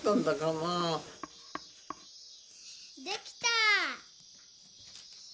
できた！